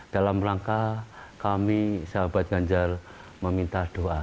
dalam rangka kami sahabat ganjar meminta doa